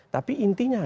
tapi intinya adalah